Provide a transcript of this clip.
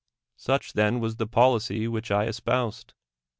Such then was the policy which I espoused.